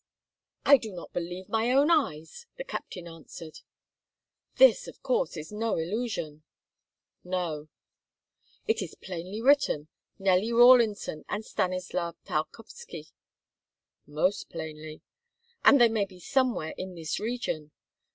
"I do not believe my own eyes!" the captain answered. "This, of course, is no illusion." "No." "It is plainly written, 'Nelly Rawlinson and Stanislas Tarkowski.'" "Most plainly." "And they may be somewhere in this region."